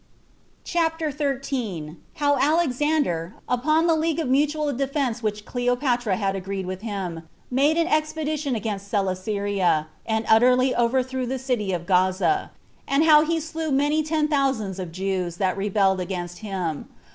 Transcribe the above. CHAPTER 13. How Alexander, upon the League of Mutual Defense Which Cleopatra Had Agreed with Him, Made an Expedition Against Coelesyria, and Utterly Overthrew the City of Gaza; and How He Slew Many Ten Thousands of Jews That Rebelled Against Him.